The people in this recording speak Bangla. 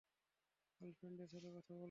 আলফ্রেডের সাথে কথা বলবো!